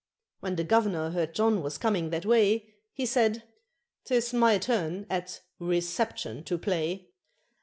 When the Governor heard John was coming that way, He said, "'Tis my turn at 'reception' to play.